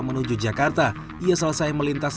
menuju jakarta ia selesai melintas